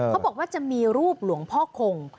เขาบอกว่าจะมีรูปหลวงพ่อคง